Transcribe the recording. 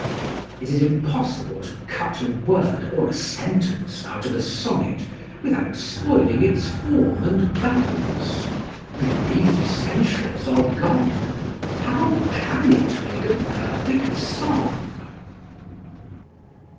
It is impossible to cut a word or a sentence out of a sonnet without spoiling its form and balance; and, if these essentials are gone, how can it make a perfect song?